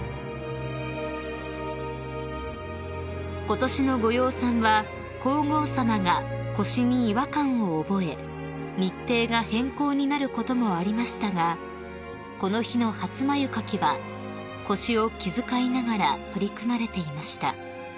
［ことしのご養蚕は皇后さまが腰に違和感を覚え日程が変更になることもありましたがこの日の初繭掻きは腰を気遣いながら取り組まれていました］